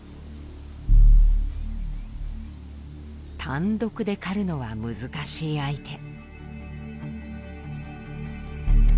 単独で狩るのは難しい相手。